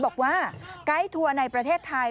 บอกว่าใกล้ทัวร์ในประเทศไทย